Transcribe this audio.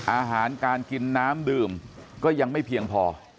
อาหารการกินน้ำดื่มก็ยังไม่เพียงพอ